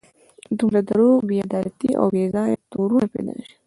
دومره دروغ، بې عدالتي او بې ځایه تورونه پیدا شي.